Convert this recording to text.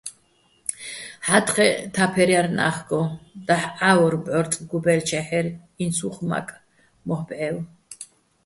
ჰ̦ა́თხეჸ თაფერ ჲარ ნა́ხგო, დაჰ̦ ჺა́ვორ ბჵორწ გუბა́́ჲლ'ჩეჰ̦ერ, ინც უ̂ხ მაკე̆, მო́ჰ̦ ბჵე́ვო̆.